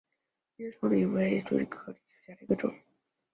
革叶鼠李为鼠李科鼠李属下的一个种。